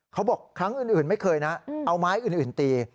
เขาบอกครั้งอื่นไม่เคยนะเอาไม้อื่นตี